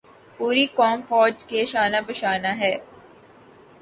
پوری قوم فوج کے شانہ بشانہ ہے۔